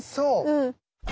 うん。